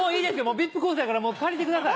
ビップコースやから借りてください。